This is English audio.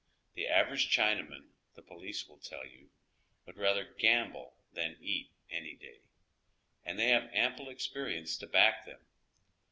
The aver age Chinaman, the police will tell you, would rather gam ble than eat any day, and they have ample experience to back them.